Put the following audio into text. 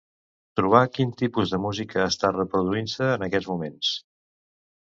Trobar quin tipus de música està reproduint-se en aquests moments.